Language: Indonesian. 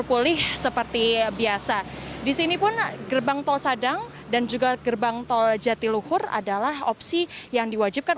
pulih seperti biasa disini pun gerbang tol sadang dan juga gerbang tol jatiluhur adalah opsi yang diwajibkan